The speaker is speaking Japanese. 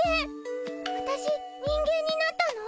わたし人間になったの？